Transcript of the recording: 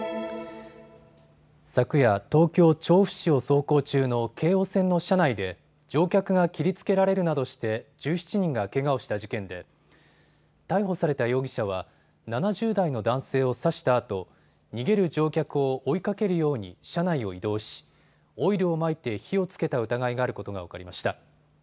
昨夜、東京調布市を走行中の京王線の車内で乗客が切りつけられるなどして１７人がけがをした事件で逮捕された容疑者は７０代の男性を刺したあと逃げる乗客を追いかけるように車内を移動しオイルをまいて火をつけた疑いがあることが分かりました。